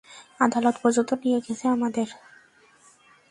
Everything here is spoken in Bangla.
আদালত পর্যন্ত নিয়ে গেছে আমাদের।